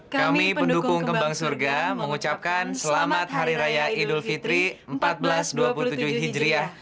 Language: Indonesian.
kami pendukung kembang surga mengucapkan selamat hari raya idul fitri seribu empat ratus dua puluh tujuh hijriah